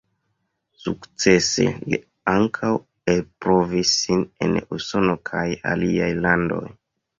Sukcese li ankaŭ elprovis sin en Usono kaj aliaj landoj.